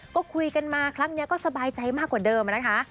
ก็คุยกันมาครั้งนี้ก็สบายใจมากกว่าเดิมนะคะ